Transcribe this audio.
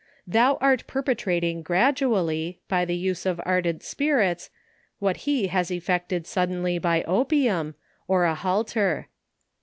Thou art per petrating gradually, by the use of ardent spirits, what he lias effected suddenly, by opium, or a halter.